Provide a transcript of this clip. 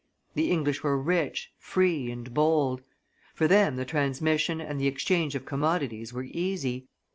The English were rich, free, and bold; for them the transmission and the exchange of commodities were easy.